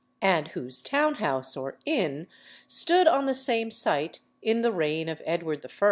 and whose town house or inn stood on the same site in the reign of Edward I.